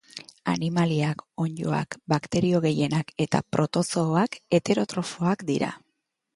Animaliak, onddoak, bakterio gehienak eta protozooak heterotrofoak dira.